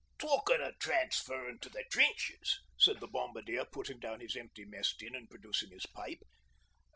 'Talkin' o' transferring to the trenches,' said the Bombardier putting down his empty mess tin and producing his pipe.